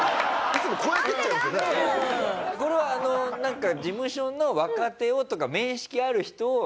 これはなんか事務所の若手をとか面識ある人を。